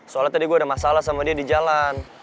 soalnya tadi gue ada masalah sama dia di jalan